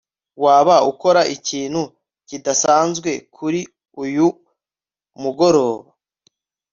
waba ukora ikintu kidasanzwe kuri uyu mugoroba